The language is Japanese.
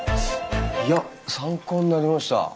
いや参考になりました。